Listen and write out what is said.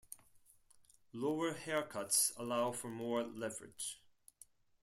Lower haircuts allow for more leverage.